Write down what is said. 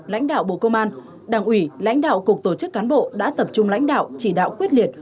lãnh đạo bộ công an đảng ủy lãnh đạo cục tổ chức cán bộ đã tập trung lãnh đạo chỉ đạo quyết liệt